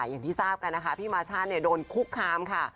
อย่างที่ทราบกันนะคะพี่มาช่าโดนคุกคามค่ะ